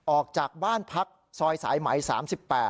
ออกจากบ้านพักซอยสายไหม๓๘